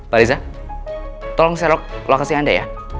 pak riza tolong share locationnya anda ya